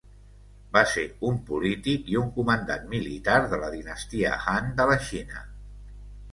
Va ser un polític i un comandant militar de la Dinastia Han de la Xina.